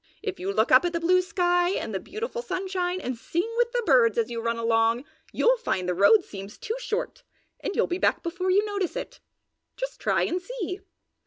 "If you look up at the blue sky and the beautiful sunshine and sing with the birds as you run along you'll find the road seems too short and you'll be back before you notice it. Just try it and see."